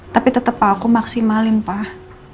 tapi tetep pak aku maksimalin pak